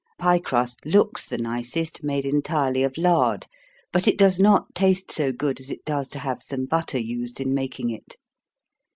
Pie crust looks the nicest made entirely of lard, but it does not taste so good as it does to have some butter used in making it.